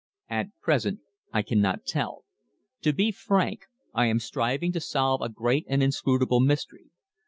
"At present I cannot tell. To be frank, I am striving to solve a great and inscrutable mystery.